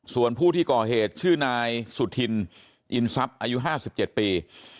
ส่วนผู้ที่ก่อเหตุชื่อนายสุธินอินทรัพย์อายุ๕๗ปี